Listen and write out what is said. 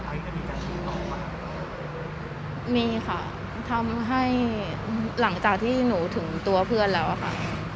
หลังจากที่น้องมีค่ะทำให้หลังจากที่หนูถึงตัวเพื่อนแล้วอะค่ะ